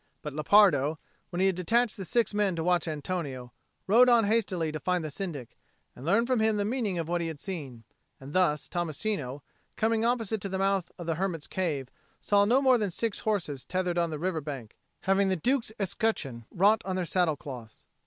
But Lepardo, when he had detached the six men to watch Antonio, rode on hastily to find the Syndic, and learn from him the meaning of what he had seen; and thus Tommasino, coming opposite to the mouth of the hermit's cave, saw no more than six horses tethered on the river bank, having the Duke's escutcheon wrought on their saddle cloths.